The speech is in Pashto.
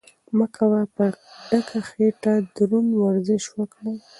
مه کوه چې په ډکه خېټه دروند ورزش وکړې.